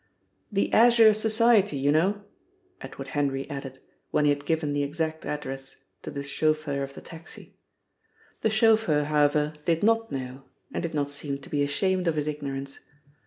"The Azure Society, you know!" Edward Henry added when he had given the exact address to the chauffeur of the taxi. The chauffeur, however, did not know, and did not seem to be ashamed of his ignorance.